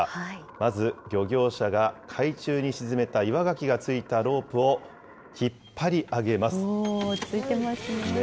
まず漁業者が海中に沈めた岩ガキが付いたロープを引っ張り上げます。